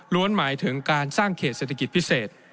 หมายถึงการสร้างเขตเศรษฐกิจพิเศษ